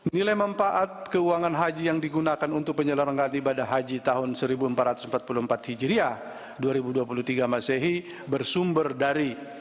nilai mempaat keuangan haji yang digunakan untuk penyelenggaran ibadah haji tahun seribu empat ratus empat puluh empat hijriah dua ribu dua puluh tiga masehi bersumber dari